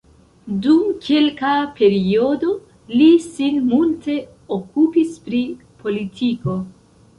Dum kelka periodo li sin multe okupis pri politiko.